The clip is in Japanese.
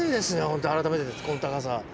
ほんと改めてこの高さ。